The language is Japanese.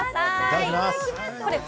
いただきます！